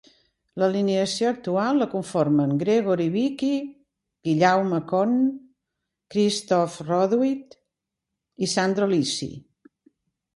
L'alineació actual la conformen Gregory Wicky, Guillaume Conne, Christophe Roduit i Sandro Lisci.